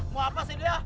mau apa sih dia